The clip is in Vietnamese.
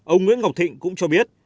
ông nguyễn ngọc thịnh cũng cho biết